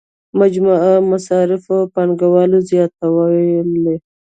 مجموعي مصارفو او پانګونې زیاتوالی.